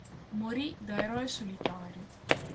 Morì da eroe solitario.